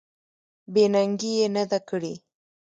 بې ننګي یې نه ده کړې.